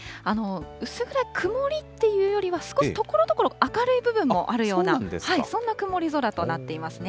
薄暗くというよりは、少しところどころ明るい部分もあるような、そんな曇り空となっていますね。